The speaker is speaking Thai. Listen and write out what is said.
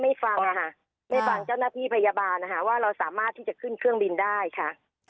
ฟังค่ะไม่ฟังเจ้าหน้าที่พยาบาลนะคะว่าเราสามารถที่จะขึ้นเครื่องบินได้ค่ะ